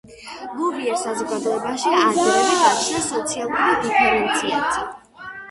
ლუვიურ საზოგადოებაში ადრევე გაჩნდა სოციალური დიფერენციაცია.